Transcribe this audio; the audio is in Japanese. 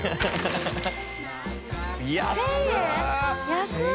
安い！